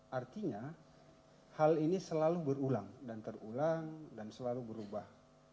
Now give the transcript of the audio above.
artinya hal ini selalu berulang dan terulang dan selalu berubah